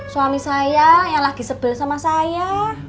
suami saya yang lagi sebel sama saya